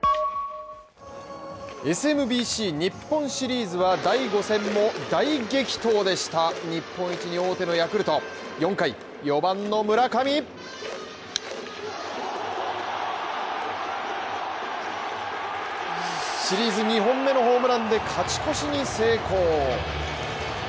ＳＭＢＣ日本シリーズは第５戦も大激闘でした日本一に王手のヤクルト４回、４番の村上シリーズ２本目のホームランで勝ち越しに成功。